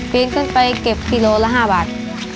ปีนขึ้นไปเก็บกิโลละ๕บาท